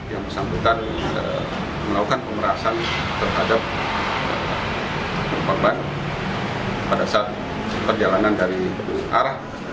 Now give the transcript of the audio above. yang bersangkutan melakukan pemerasan terhadap korban pada saat perjalanan dari arah